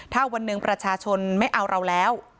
ถ้าวันหนึ่งประชาชนไม่เอาเราแล้ว